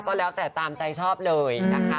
ก็แล้วแต่ตามใจชอบเลยนะคะ